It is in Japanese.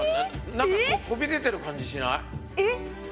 何か飛び出てる感じしない？え！？